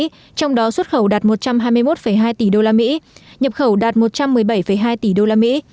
trong đó xuất khẩu đạt một trăm hai mươi một hai tỷ đô la mỹ nhập khẩu đạt một trăm một mươi bảy hai tỷ đô la mỹ